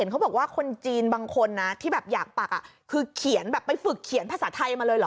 เขาบอกว่าคนจีนบางคนนะที่แบบอยากปักคือเขียนแบบไปฝึกเขียนภาษาไทยมาเลยเหรอ